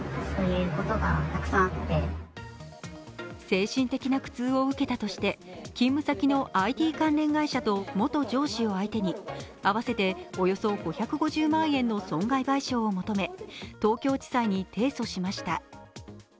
精神的な苦痛を受けたとして勤務先のＩＴ関連会社と元上司を相手に合わせておよそ５５０万円の損害賠償を求め東京地裁に提訴しました。